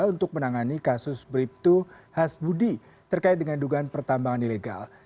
untuk menangani kasus bribtu hasbudi terkait dengan dugaan pertambangan ilegal